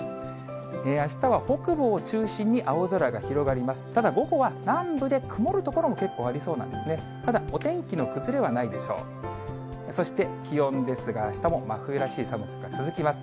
あしたは北部を中心に青空が広がります。